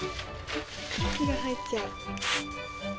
空気が入っちゃう。